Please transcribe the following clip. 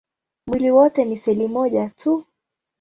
Mwili wote ni seli moja tu.